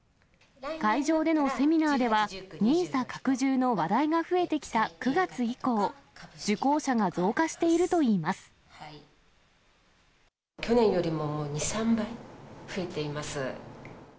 会場でのセミナーでは、ＮＩＳＡ拡充の話題が増えてきた９月以降、去年よりももう２、３倍増えています。